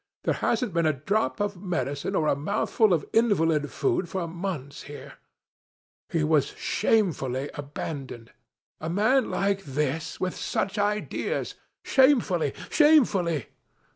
There hasn't been a drop of medicine or a mouthful of invalid food for months here. He was shamefully abandoned. A man like this, with such ideas. Shamefully! Shamefully!